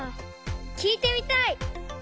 きいてみたい！